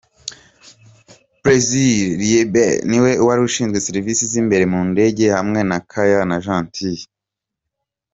Purser Liesbeth niwe washinzwe serivisi z’imbere mu ndege hamwe na Kaya na Gillie.